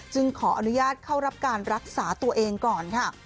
ขออนุญาตเข้ารับการรักษาตัวเองก่อนค่ะ